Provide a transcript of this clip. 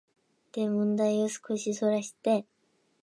で問題を少しそらして、